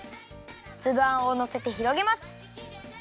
つぶあんをのせてひろげます。